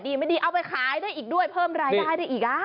ไม่ดีเอาไปขายได้อีกด้วยเพิ่มรายได้ได้อีก